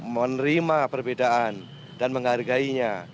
menerima perbedaan dan menghargainya